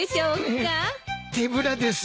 手ぶらです。